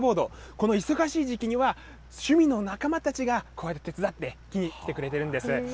この忙しい時期には、趣味の仲間たちがこうやって手伝いに来てくれているんです。